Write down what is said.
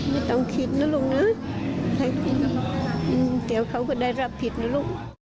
ไม่ต้องคิดนะลูกนะเดี๋ยวเค้าก็ได้รับผิดนะลูก